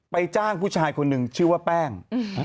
จ้างผู้ชายคนหนึ่งชื่อว่าแป้ง